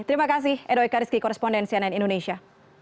terima kasih edo ekariski korrespondensi ann indonesia